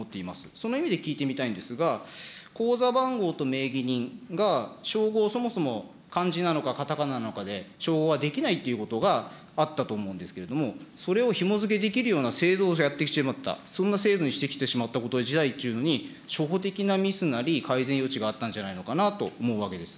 その意味で聞いてみたいんですが、口座番号と名義人が照合をそもそも漢字なのか、かたかななのかで、照合ができないということがあったと思うんですけれども、それをひも付けるできるような制度にしてしまった、そんな制度にしてきてしまった、初歩的なミスなり、改善余地があったんじゃないのかなと思うわけです。